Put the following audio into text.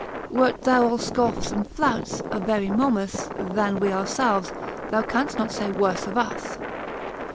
Wert thou all scoffs and flouts, a very Momus, Than we ourselves, thou canst not say worse of us.